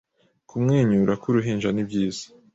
Kumwenyura kwuruhinja nibyiza